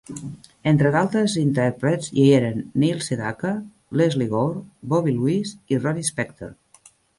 Entre d'altres intèrprets hi eren Neil Sedaka, Lesley Gore, Bobby Lewis i Ronnie Spector.